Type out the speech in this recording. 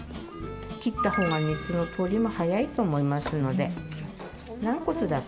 切った方が熱の通りも早いと思いますので。